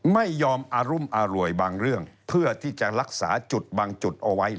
ไม่ยอมอารุมอร่วยบางเรื่องเพื่อที่จะรักษาจุดบางจุดเอาไว้